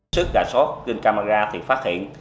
sức ra soát trên camera thì phát hiện